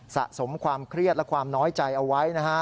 สะสมความเครียดและความน้อยใจเอาไว้นะฮะ